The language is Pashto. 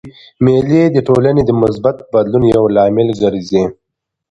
مېلې د ټولني د مثبت بدلون یو لامل ګرځي.